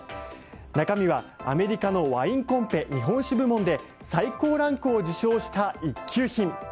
中身はアメリカのワインコンペ日本酒部門で最高ランクを受賞した一級品。